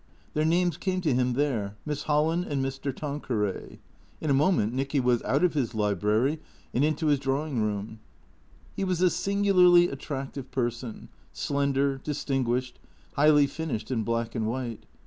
Their names came to him there — Miss Holland and Mr. Tanqueray. In a moment Nicky was out of his library and into his drawing room. He was a singularly attractive person, slender, distinguished, highly finished in black and white.